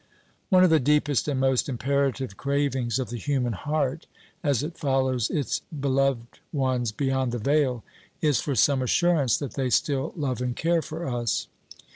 One of the deepest and most imperative cravings of the human heart, as it follows its beloved ones beyond the veil, is for some assurance that they still love and care for us.